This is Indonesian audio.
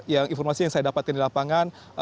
yang informasi yang saya dapatkan di lapangan